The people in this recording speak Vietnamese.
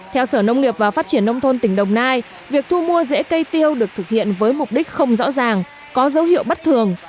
theo sở nông nghiệp và phát triển nông thôn tỉnh đồng nai việc thu mua rễ cây tiêu được thực hiện với mục đích không rõ ràng có dấu hiệu bất thường